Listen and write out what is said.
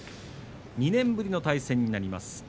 ２年ぶりの対戦になります。